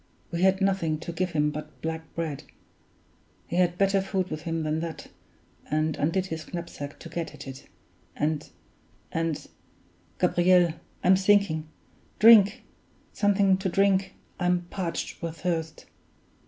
We had nothing to give him but black bread. He had better food with him than that, and undid his knapsack to get at it, and and Gabriel! I'm sinking drink! something to drink I'm parched with thirst."